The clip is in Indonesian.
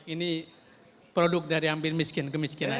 ini produk dari ambil miskin kemiskinan